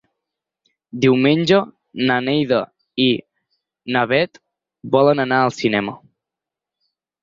Diumenge na Neida i na Bet volen anar al cinema.